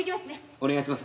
お願いします。